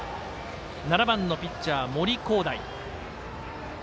７番のピッチャー、森煌誠。